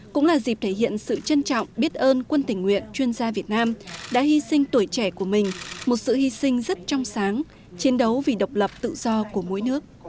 cũng là dịp thể hiện sự trân trọng biết ơn quân tình nguyện chuyên gia việt nam đã hy sinh tuổi trẻ của mình một sự hy sinh rất trong sáng chiến đấu vì độc lập tự do của mỗi nước